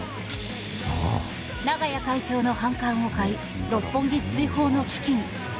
長屋会長の反感を買い六本木追放の危機に。